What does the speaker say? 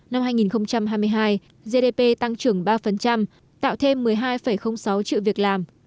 năm hai nghìn hai mươi hai gdp tăng trưởng ba tạo thêm một mươi hai sáu triệu việc làm